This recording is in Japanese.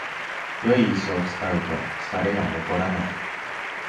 良いイスを使うと疲れが残らない